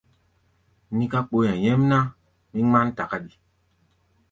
Níká kpooʼɛ nyɛ́mná, mí ŋmán takáɗi.